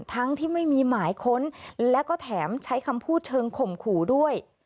ทั้งที่ไม่มีหมายค้นและก็แถมใช้คำพูดเชิงข่มขู่ด้วย